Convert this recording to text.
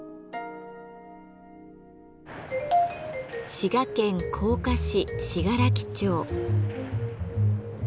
滋賀県甲賀市信楽町。